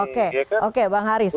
oke oke bang haris